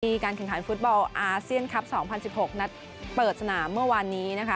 การแข่งขันฟุตบอลอาเซียนคลับ๒๐๑๖นัดเปิดสนามเมื่อวานนี้นะคะ